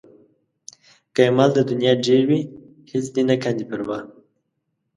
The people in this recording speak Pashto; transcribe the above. که یې مال د نيا ډېر وي هېڅ دې نه کاندي پروا